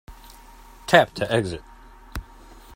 Tap to exit.